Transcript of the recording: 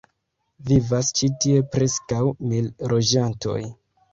Vivas ĉi tie preskaŭ mil loĝantoj.